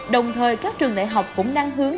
đồng thời các trường đại học cũng đang hướng